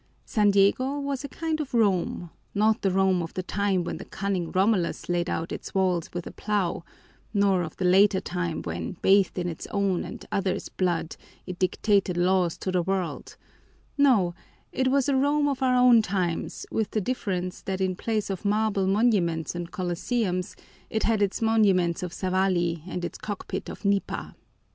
San Diego was a kind of Rome: not the Rome of the time when the cunning Romulus laid out its walls with a plow, nor of the later time when, bathed in its own and others' blood, it dictated laws to the world no, it was a Rome of our own times with the difference that in place of marble monuments and colosseums it had its monuments of sawali and its cockpit of nipa.